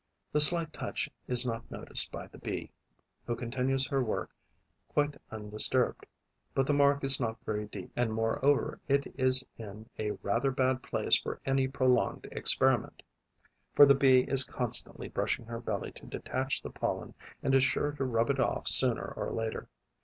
The slight touch is not noticed by the Bee, who continues her work quite undisturbed; but the mark is not very deep and moreover it is in a rather bad place for any prolonged experiment, for the Bee is constantly brushing her belly to detach the pollen and is sure to rub it off sooner or later.